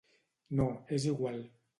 —No, és igual.